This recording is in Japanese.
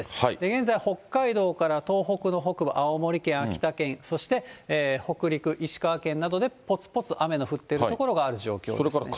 現在、北海道から東北の北部、青森県、秋田県、そして北陸、石川県などでぽつぽつ雨の降っている所がある状況ですね。